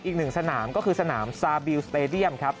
อีกหนึ่งสนามก็คือสนามซาบิลสเตดียมครับ